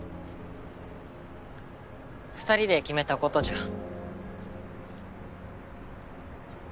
２人で決めたことじゃん。